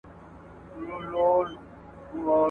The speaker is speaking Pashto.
مور او پلار چي زاړه سي تر شکرو لا خواږه سي.